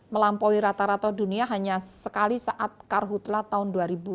melampaui rata rata dunia hanya sekali saat karhutlah tahun dua ribu dua